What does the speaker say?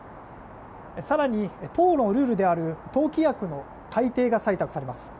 更に、党のルールである党規約の改定が採択されます。